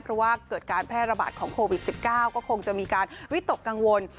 เพราะว่าเกิดการแพร่ระบาดของโควิด๑๙ก็คงจะมีการวิตกกังวล